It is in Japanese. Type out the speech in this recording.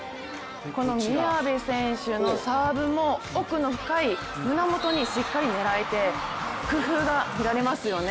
宮部選手のサーブも奥の深い胸元にしっかり狙えて工夫が見られますよね。